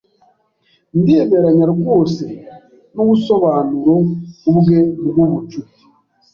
Ndemeranya rwose nubusobanuro bwe bwubucuti.